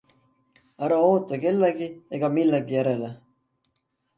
Ära oota kellegi ega millegi järele.